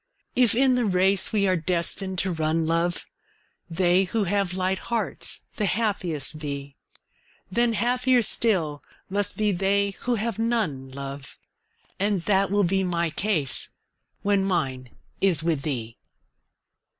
If in the race we are destined to run, love, They who have light hearts the happiest be, Then happier still must be they who have none, love. And that will be my case when mine is with thee.